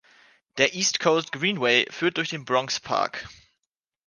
Der East Coast Greenway führt durch den Bronx Park.